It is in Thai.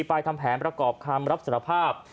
ทำแผนประกอบคำรับสารภาพ